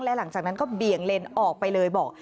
และหลังจากนั้นก็เบี่ยงเลนออกไปเลยบอก